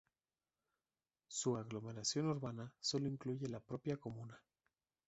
Su aglomeración urbana sólo incluye la propia comuna.